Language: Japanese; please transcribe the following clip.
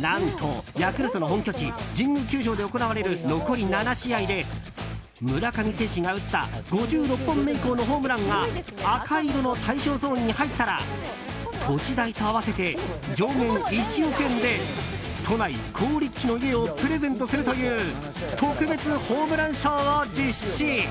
何と、ヤクルトの本拠地神宮球場で行われる残り７試合で村上選手が打った５６本目以降のホームランが赤い色の対象ゾーンに入ったら土地代と合わせて上限１億円で都内好立地の家をプレゼントするという特別ホームラン賞を実施。